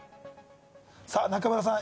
さあ中村さん